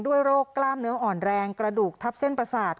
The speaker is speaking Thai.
โรคกล้ามเนื้ออ่อนแรงกระดูกทับเส้นประสาท